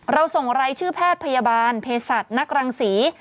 ส่งรายชื่อแพทย์พยาบาลเพศัตว์นักรังศรี